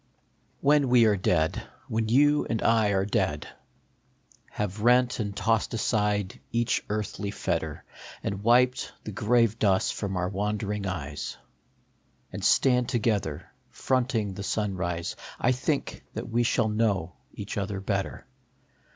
JHEN we are dead, when you and I are dead, Have rent and tossed aside each earthly fettei And wiped the grave dust from our wonderinj eyes, And stand together, fronting the sunrise, I think that we shall know each other better.